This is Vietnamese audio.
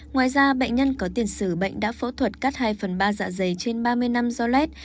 ngoài ra bệnh nhân có tiền sử bệnh đã phẫu thuật cắt hai phần ba dạ dày trên ba mươi năm do lét